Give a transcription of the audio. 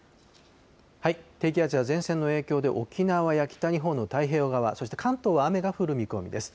低気圧や前線の影響で、沖縄や北日本の太平洋側、そして関東は雨が降る見込みです。